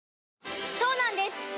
そうなんです